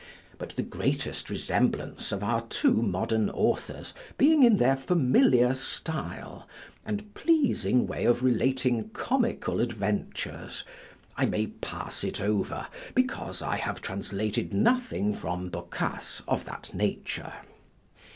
But the greatest resemblance of our two modern authors being in their familiar style, and pleasing way of relating comical adventures, I may pass it over, because I have translated nothing from Boccace of that nature.